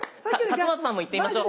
勝俣さんもいってみましょう。